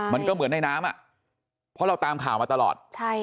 มันก็เหมือนในน้ำอ่ะเพราะเราตามข่าวมาตลอด